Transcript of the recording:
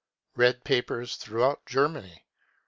Red Papers Throughout Germany.